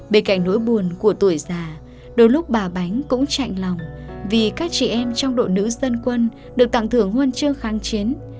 bên cạnh nỗi buồn của tuổi già đôi lúc bà bánh cũng chạy lòng vì các chị em trong đội nữ dân quân được tặng thưởng huân chương kháng chiến